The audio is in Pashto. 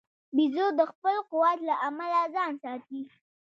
بیزو د خپل قوت له امله ځان ساتي.